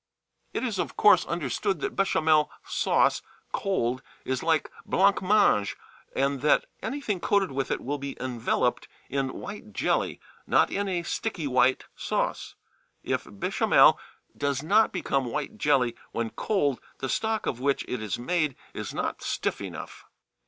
It is, of course, understood that béchamel sauce, cold, is like blanc mange, and that anything coated with it will be enveloped in white jelly, not in a sticky white sauce. If béchamel does not become white jelly when cold the stock of which it is made is not stiff enough.